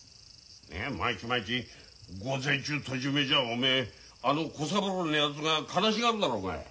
毎日毎日午前中戸閉めじゃおめえあの小三郎のやつが悲しがるだろおめえ。